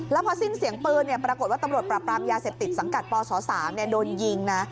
แล้วพอสิ้นเสียงปืนปรากฏว่าตำรวจปรับปรามยาเสพติดสังกัดปศ๓โดนยิงนะ